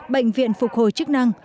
bệnh viện phục hồi chức năng